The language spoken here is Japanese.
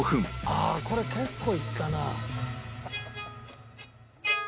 ああこれ結構行ったな。